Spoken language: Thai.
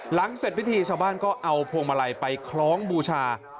เสร็จพิธีชาวบ้านก็เอาพวงมาลัยไปคล้องบูชา